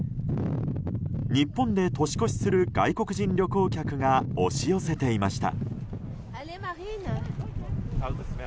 日本で年越しする外国人旅行客が押し寄せていました。